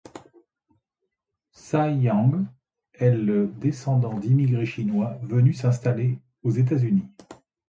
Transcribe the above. Cy Young est le descendant d'immigrés chinois venus s'installer aux États-Unis.